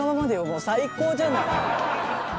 もう最高じゃない。